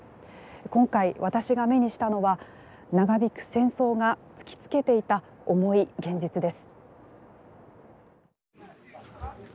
今回私が目にしたのは長引く戦争が突きつけていた重い現実です。